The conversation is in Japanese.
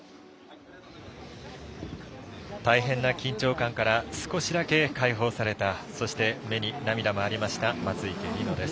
大変な緊張感から少しだけ開放されたそして目に涙もありました松生理乃です。